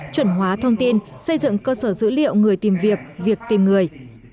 chuẩn hóa thông tin xây dựng cơ sở dữ liệu người tìm việc việc tìm người